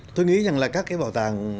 tôi nghĩ rằng là các cái bảo tàng